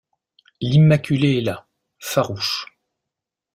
L’immaculé est là, farouche.